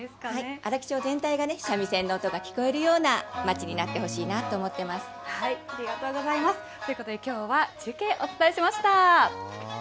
荒木町全体がね、三味線の音が聞こえるような街になってほしありがとうございます。ということできょうは、中継、お伝えしました。